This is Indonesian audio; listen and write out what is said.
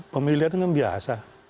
pemilihan itu biasa